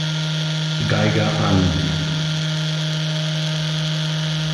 Geiger an.